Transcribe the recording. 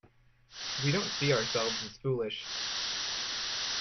We don't see ourselves as foolish.